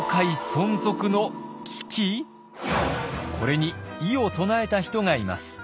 これに異を唱えた人がいます。